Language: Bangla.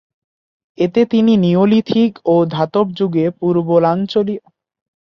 এতে তিনি নিওলিথিক ও ধাতব যুগে পূর্বাঞ্চলীয় জাতিগোষ্ঠীর অভিবাসনের কথা তুলে ধরেছেন।